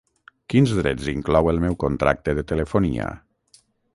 Quins drets inclou el meu contracte de telefonia?